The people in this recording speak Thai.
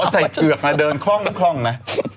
สใส่เกือกมาเดินคล่องน่ะ